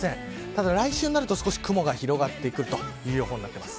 ただ来週になると少し雲が広がってくる予報です。